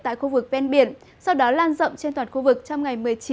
tại khu vực ven biển sau đó lan rộng trên toàn khu vực trong ngày một mươi chín